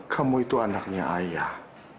kamu itu anaknya ayah